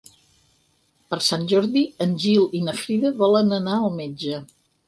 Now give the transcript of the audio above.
Per Sant Jordi en Gil i na Frida volen anar al metge.